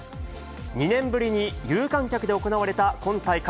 ２年ぶりに有観客で行われた今大会。